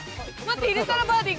入れたらバーディー。